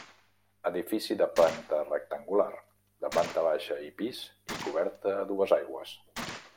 Edifici de planta rectangular, de planta baixa i pis i coberta a dues aigües.